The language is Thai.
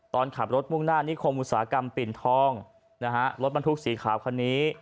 ตอนขับรถมุ่งหน้านิคมอุตสาหกรรมปิ่นทองนะฮะรถบรรทุกสีขาวคันนี้